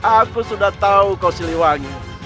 aku sudah tahu kau siliwangi